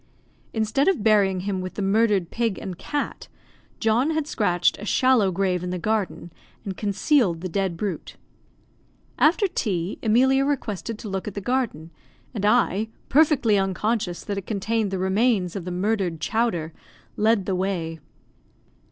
Instead of burying him with the murdered pig and cat, John had scratched a shallow grave in the garden, and concealed the dead brute. After tea, Emilia requested to look at the garden; and I, perfectly unconscious that it contained the remains of the murdered Chowder, led the way.